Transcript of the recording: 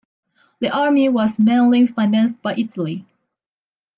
The army was mainly financed by Italy.